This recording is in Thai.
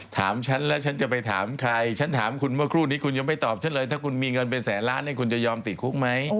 ถามฉันแล้วฉันจะไปถามใครฉันถามคุณเมื่อครู่นี้คุณยังไม่ตอบฉันเลยถ้าคุณมีเงินเป็นแสนล้านเนี่ยคุณจะยอมติดคุกไหม